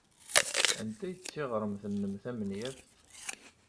Anta ay d tiɣremt-nnem tamenyaft?